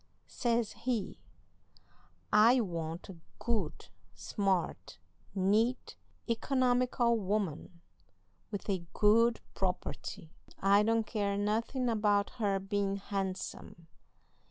Says he: 'I want a good, smart, neat, economical woman, with a good property. I don't care nothin' about her bein' handsome.